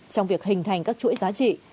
trong việc hình thành các chuỗi giá trị